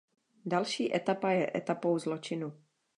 Další etapa je etapou zločinu.